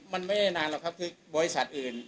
มันไม่ได้นานหรอกครับคือบริษัทอื่น